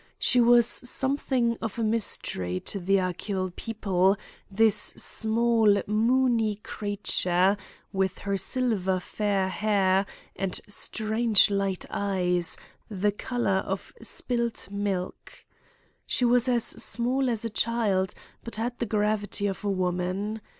She was something of a mystery to the Achill people, this small moony creature, with her silver fair hair, and strange light eyes, the colour of spilt milk. She was as small as a child, but had the gravity of a woman.